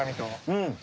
うん！